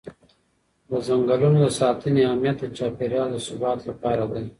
د ځنګلونو د ساتنې اهمیت د چاپېر یال د ثبات لپاره دی.